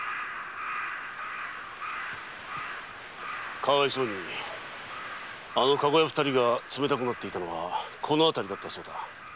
かわいそうにあのカゴ屋二人が冷たくなっていたのはこの辺りだったそうだ。